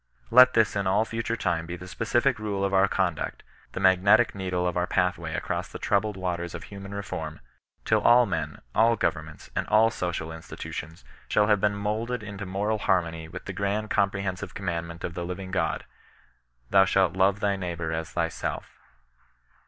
Let this in all future time be the specific rule of our conduct, tibe etic needle of our patiiway across the (attmbM CHBISTIAN KON RESISTASOB. 31 waters of human refonn, till all men, all goTemments, and all social institutions shall have been moulded into moral harmony with'the grand comprehensive command ment of the living God" —" thou shalt love thy NEIGHBOUR AS THYSELF."